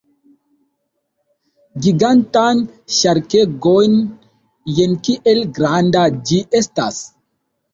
Gigantan ŝarkegon! Jen kiel granda ĝi estas!